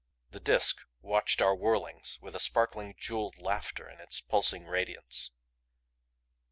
The Disk watched our whirlings with a sparkling, jeweled LAUGHTER in its pulsing radiance.